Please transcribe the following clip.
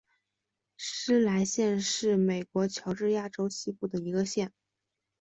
施莱县是美国乔治亚州西部的一个县。